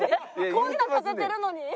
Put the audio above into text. こんなん建ててるのに？